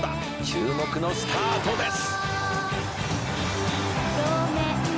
「注目のスタートです」